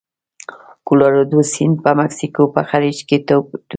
کلورادو سیند په مکسیکو په خلیج کې تویږي.